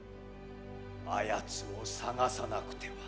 あやつを捜さなくては。